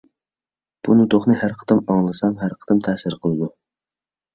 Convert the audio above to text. بۇ نۇتۇقنى ھەر قېتىم ئاڭلىسام ھەر قېتىم تەسىر قىلىدۇ.